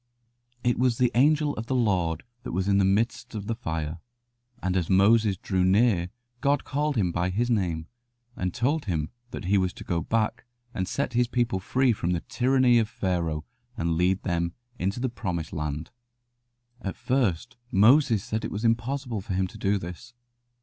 It was the Angel of the Lord that was in the midst of the fire, and as Moses drew near God called him by his name, and told him that he was to go back and set his people free from the tyranny of Pharaoh and lead them into the Promised Land. [Illustration: In the middle of the bush a fire was burning.] At first Moses said it was impossible for him to do this.